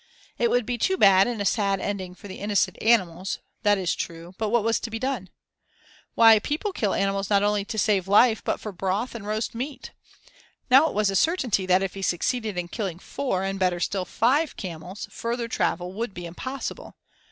It would be too bad and a sad ending for the innocent animals; that is true, but what was to be done? Why, people kill animals not only to save life but for broth and roast meat. Now it was a certainty that if he succeeded in killing four, and better still five camels, further travel would be impossible.